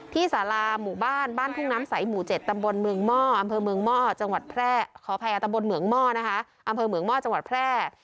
ที่สารามหมู่บ้านบ้านพุ่งน้ำสายหมู่เจ็ดอำเภอเมืองม่อจังหวัดแพร่